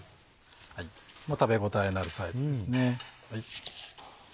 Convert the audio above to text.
食べ応えのあるサイズですね。